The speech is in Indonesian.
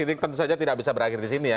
tentu saja tidak bisa berakhir disini ya